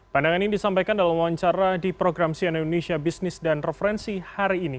pandangan ini disampaikan dalam wawancara di program sian indonesia bisnis dan referensi hari ini